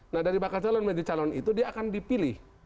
nah dari bakal calon menjadi calon itu dia akan dipilih